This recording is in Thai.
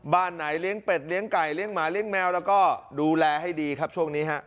บ้านไหนเลี้ยงเป็ดเลี้ยงไก่เลี้ยหมาเลี้ยแมวแล้วก็ดูแลให้ดีครับช่วงนี้ฮะ